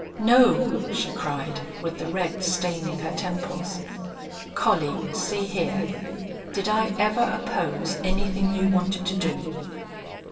"No!" she cried, with the red staining her temples. "Collie, see here. Did I ever oppose anythin' you wanted to do?"